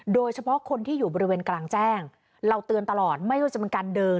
โดยเฉพาะคนที่อยู่บริเวณกลางแจ้งเราเตือนตลอดไม่ว่าจะเป็นการเดิน